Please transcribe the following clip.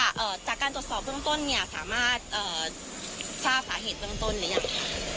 ค่ะเอ่อจากการตรวจสอบพรุ่งต้นเนี้ยสามารถเอ่อช่าสาเหตุพรุ่งต้นหรือยัง